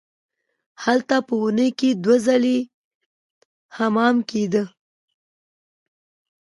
هلته په اونۍ کې دوه ورځې حمام کیده.